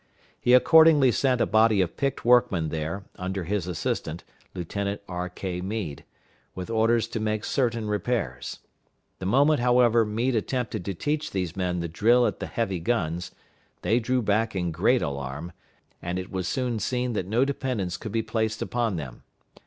He accordingly sent a body of picked workmen there, under his assistant, Lieutenant R.K. Meade, with orders to make certain repairs. The moment, however, Meade attempted to teach these men the drill at the heavy guns, they drew back in great alarm, and it was soon seen that no dependence could be placed upon them.